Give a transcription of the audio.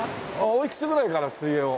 おいくつぐらいから水泳を？